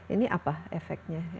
ini apa efeknya